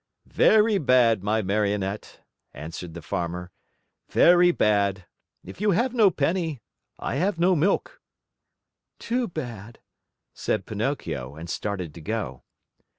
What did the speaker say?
"Very bad, my Marionette," answered the Farmer, "very bad. If you have no penny, I have no milk." "Too bad," said Pinocchio and started to go.